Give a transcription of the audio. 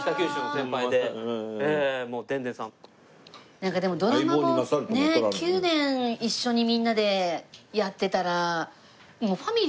なんかでもドラマも９年一緒にみんなでやってたらもう。